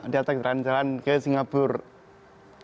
di atas jalan jalan kayaknya singapura